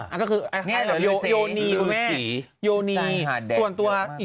อันก็คือโยนีคุณแม่โยนีนี่เหลือสี